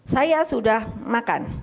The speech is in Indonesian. saya sudah makan